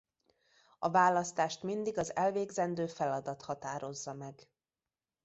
A választást mindig az elvégzendő feladat határozza meg.